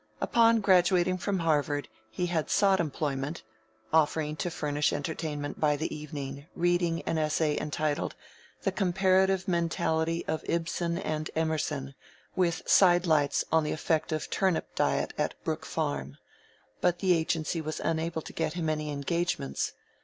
Upon graduating from Harvard, he had sought employment, offering to furnish entertainment by the evening, reading an essay entitled, "The Comparative Mentality of Ibsen and Emerson, with Sidelights on the Effect of Turnip Diet at Brook Farm," but the agency was unable to get him any engagements.